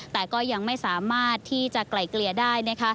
แต่ก็ยังไม่สามารถที่จะไกลเกลี่ยได้